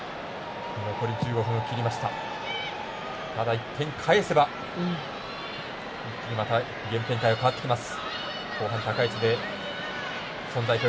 １点、返せばゲーム展開が変わってきます。